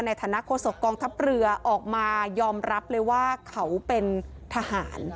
ในฐานะโฆษกองทัพเรือออกมายอมรับเลยว่าเขาเป็นทหาร